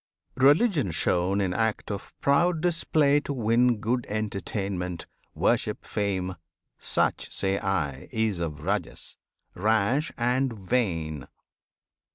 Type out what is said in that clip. Religion shown in act of proud display To win good entertainment, worship, fame, Such say I is of Rajas, rash and vain.